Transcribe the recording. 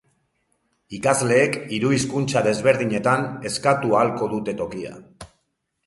Ikasleek hiru hizkuntza desberdinetan eskatu ahalko dute tokia.